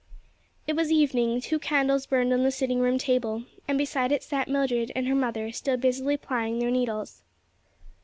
It was evening; two candles burned on the sitting room table, and beside it sat Mildred and her mother still busily plying their needles.